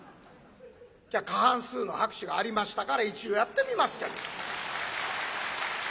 じゃあ過半数の拍手がありましたから一応やってみますけど。